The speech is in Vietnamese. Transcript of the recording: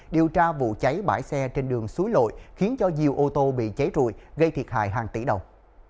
điều tra vụ cháy bãi xe trên đường suối lội khiến cho nhiều ô tô bị cháy rùi gây thiệt hại hàng tỷ đồng